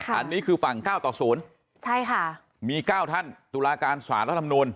อันนี้คือฝั่ง๙ต่อ๐ใช่ค่ะมี๙ท่านตุลาการสารรัฐมนูล